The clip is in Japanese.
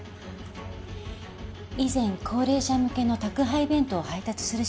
以前高齢者向けの宅配弁当を配達する仕事をしていました。